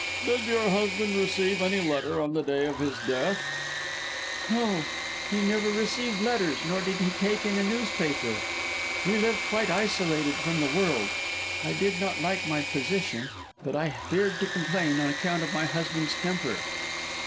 "Did your husband receive any letter on the day of his death?" "No. He never received letters, nor did he take in a newspaper. We lived quite isolated from the world. I did not like my position, but I feared to complain, on account of my husband's temper."